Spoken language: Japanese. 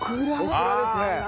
オクラですね。